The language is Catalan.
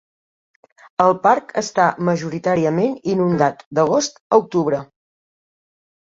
El parc està majoritàriament inundat d'agost a octubre.